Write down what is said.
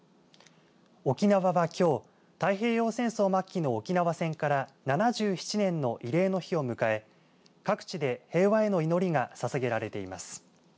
沖縄はきょう太平洋戦争末期の沖縄戦から７７年の慰霊の日を迎え各地で平和への祈りがささげられています。